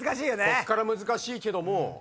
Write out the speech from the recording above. こっから難しいけども。